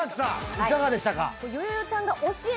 いかがでしたか？